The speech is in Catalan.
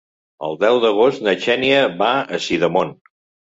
El deu d'agost na Xènia va a Sidamon.